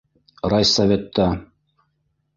Райсоветта